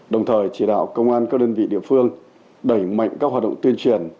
đồng thời chỉ đạo công an các đơn vị địa phương đẩy mạnh các hoạt động tuyên truyền